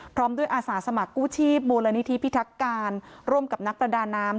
พร้อมด้วยอาสาสมัครกู้ชีพมูลนิธิพิทักการร่วมกับนักประดาน้ำ